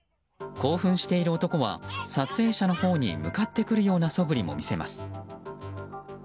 興奮している男は撮影者のほうに向かってくるようなそぶりも見せます。